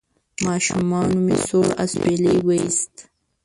ماشومې سوړ اسویلی وایست: